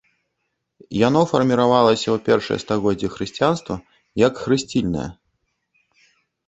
Яно фарміравалася ў першыя стагоддзі хрысціянства як хрысцільнае.